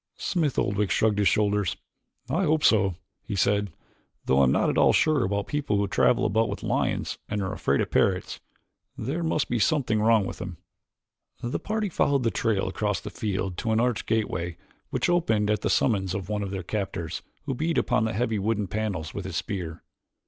Smith Oldwick shrugged his shoulders. "I hope so," he said, "though I am not at all sure about people who travel about with lions and are afraid of parrots. There must be something wrong with them." The party followed the trail across the field to an arched gateway which opened at the summons of one of their captors, who beat upon the heavy wooden panels with his spear.